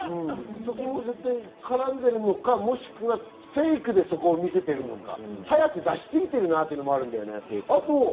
そこ、絶対絡んでるのか、もしくはフェイクでそこを見せているのか、早く出しすぎてるなっていうのもあるんだよね。